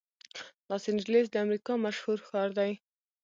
لاس انجلس د امریکا مشهور ښار دی.